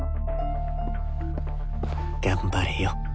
頑張れよ。